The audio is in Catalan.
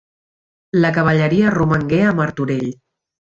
La cavalleria romangué a Martorell.